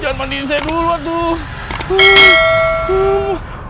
jangan mandikan saya dulu tuh